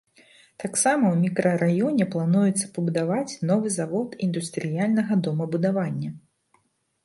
Таксама ў мікрараёне плануецца пабудаваць новы завод індустрыяльнага домабудавання.